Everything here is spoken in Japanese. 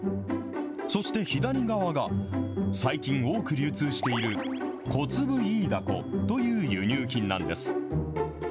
そして左側が、最近多く流通しているコツブイイダコという輸入品なんです。